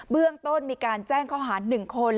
เบื้องต้นมีการแจ้งข้อหาร๑คน